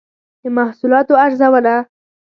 د محصولاتو ارزونه